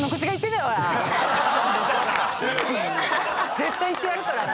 絶対いってやるからな。